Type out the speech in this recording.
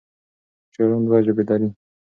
شاعران دوه ژبې لري.